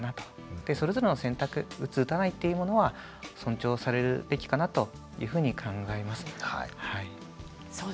でそれぞれの選択打つ打たないっていうものは尊重されるべきかなというふうに考えます。